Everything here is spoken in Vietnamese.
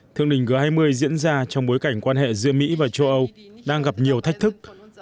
thương đình g hai mươi diễn ra trong bối cảnh quan hệ giữa mỹ và châu âu đang gặp nhiều thách thức